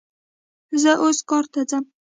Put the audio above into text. زه اوس کار ته ځم